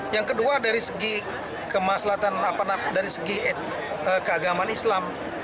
yang kedua dari segi kemaslahan dari segi keagamaan islam